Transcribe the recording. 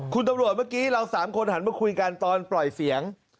คุณตำรวจเมื่อกี้เรา๓คนหันมาคุยกันตอนปล่อยเสียง